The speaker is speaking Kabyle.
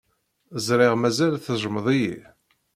Ẓriɣ mazal tejjmeḍ-iyi.